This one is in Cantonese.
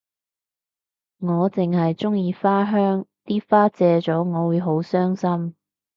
我淨係鍾意花香啲花謝咗我會好傷心